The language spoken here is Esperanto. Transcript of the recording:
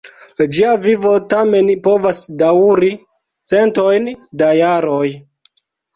Ĝia vivo tamen povas daŭri centojn da jaroj.